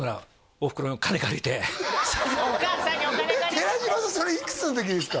寺島さんそれいくつの時ですか？